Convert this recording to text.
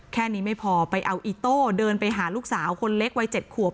แค่นี้ไม่พอไปเอาอีโต้เดินไปหาลูกสาวคนเล็กวัย๗ขวบ